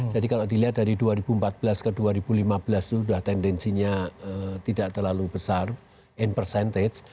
jadi kalau dilihat dari dua ribu empat belas ke dua ribu lima belas itu udah tendensinya tidak terlalu besar in percentage